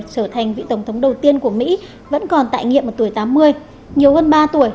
trở thành vị tổng thống đầu tiên của mỹ vẫn còn tại nghiệm ở tuổi tám mươi nhiều hơn ba tuổi